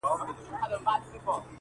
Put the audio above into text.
هغه سړی کلونه پس دی، راوتلی ښار ته.